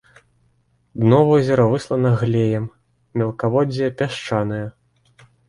Дно возера выслана глеем, мелкаводдзе пясчанае.